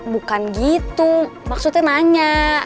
bukan gitu maksudnya nanya